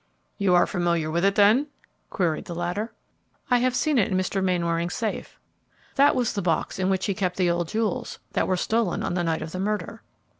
"You are familiar with it then?" queried the latter. "I have seen it in Mr. Mainwaring's safe. That was the box in which he kept the old jewels that were stolen on the night of the murder."